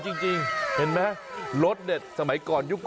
คุณดูขาวดิคุณดู